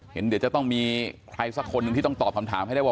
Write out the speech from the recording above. เดี๋ยวจะต้องมีใครสักคนหนึ่งที่ต้องตอบคำถามให้ได้ว่า